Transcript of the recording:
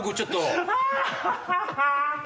アハハハ！